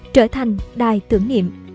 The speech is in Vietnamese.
trở thành đài tưởng nghiệm